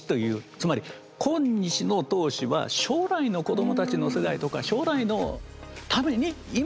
つまり今日の投資は将来の子供たちの世代とか将来のために今やるんですよと。